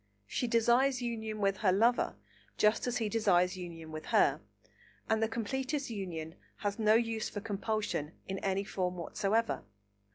She desires union with her lover, just as he desires union with her, and the completest union has no use for compulsion in any form whatsoever.